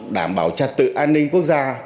đảm bảo trạc tự an ninh quốc gia